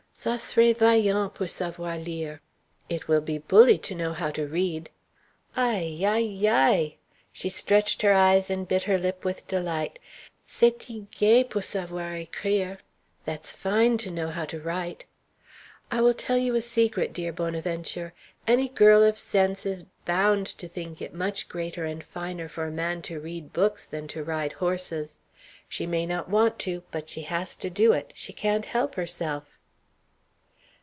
ca sré vaillant, pour savoir lire. [It will be bully to know how to read.] Aie ya yaie!" she stretched her eyes and bit her lip with delight "C'est t'y gai, pour savoir écrire! [That's fine to know how to write.] I will tell you a secret, dear Bonaventure. Any girl of sense is bound to think it much greater and finer for a man to read books than to ride horses. She may not want to, but she has to do it; she can't help herself!"